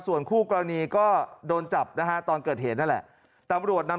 ส่วนคู่กรณีก็โดนจับนะฮะตอนเกิดเหตุนั่นแหละตำรวจนำ